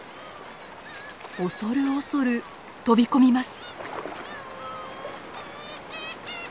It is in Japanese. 恐る恐る飛び込みます。